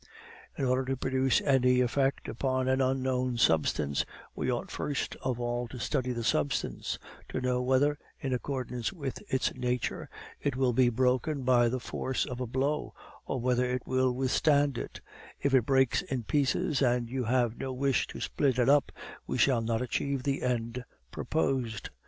In order to produce any effect upon an unknown substance, we ought first of all to study that substance; to know whether, in accordance with its nature, it will be broken by the force of a blow, or whether it will withstand it; if it breaks in pieces, and you have no wish to split it up, we shall not achieve the end proposed.